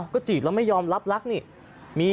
ก็จีบแล้วไม่ยอมรับรักนี่